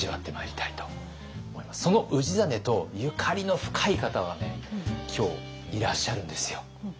その氏真とゆかりの深い方がね今日いらっしゃるんですよ。